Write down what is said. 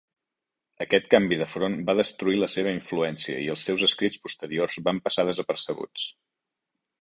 Aquest canvi de front va destruir la seva influència i els seus escrits posteriors van passar desapercebuts.